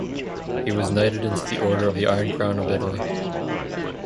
He was knighted into the order of the Iron Crown of Italy.